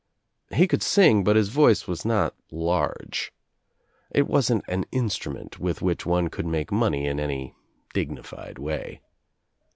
He could sing but his voice was not large. It wasn't an instrument with which one could make money in any dignified way.